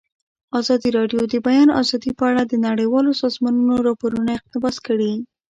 ازادي راډیو د د بیان آزادي په اړه د نړیوالو سازمانونو راپورونه اقتباس کړي.